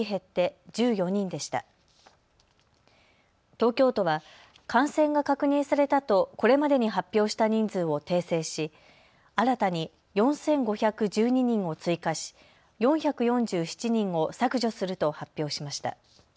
東京都は感染が確認されたとこれまでに発表した人数を訂正し、新たに４５１２人を追加し４４７人を削除すると発表しました。